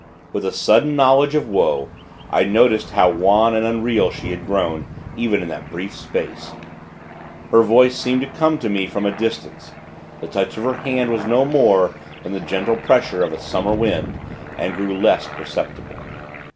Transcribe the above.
With a sudden knowledge of woe, I noticed how wan and unreal she had grown, even in that brief space. Her voice seemed to come to me from a distance. The touch of her hands was no more than the gentle pressure of a summer wind, and grew less perceptible.